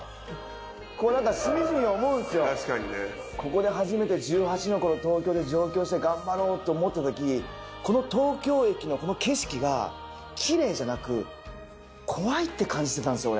ここで初めて１８のころ東京に上京して頑張ろうと思ったときこの東京駅のこの景色がきれいじゃなく怖いって感じてたんですよ